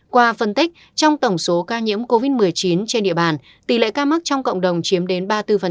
qua phân tích trong tổng số ca nhiễm covid một mươi chín trên địa bàn tỷ lệ ca mắc trong cộng đồng chiếm đến ba mươi bốn